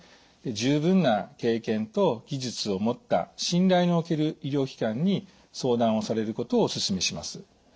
十分な経験と技術を持った信頼の置ける医療機関に相談をされることをお勧めします。